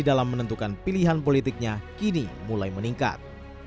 dalam menentukan pilihan politiknya kini mulai meningkat